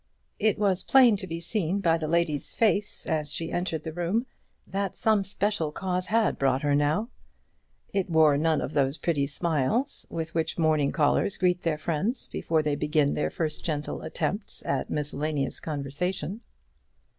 It was plain to be seen by the lady's face, as she entered the room, that some special cause had brought her now. It wore none of those pretty smiles with which morning callers greet their friends before they begin their first gentle attempts at miscellaneous conversation.